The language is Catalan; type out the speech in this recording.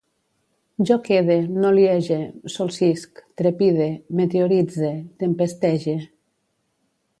Jo quede, noliege, solsisc, trepide, meteoritze, tempestege